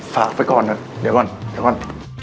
ฝากไปก่อนนะเดี๋ยวก่อนเดี๋ยวก่อน